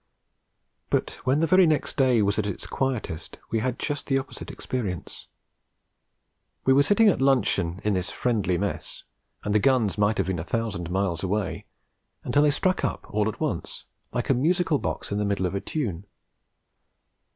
But when the very next day was at its quietest we had just the opposite experience. We were sitting at luncheon in this friendly mess, and the guns might have been a thousand miles away until they struck up all at once, like a musical box in the middle of a tune.